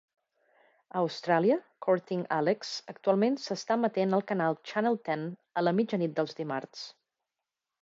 A Austràlia, "Courting Alex" actualment s'està emetent al canal Channel Ten a la mitjanit dels dimarts.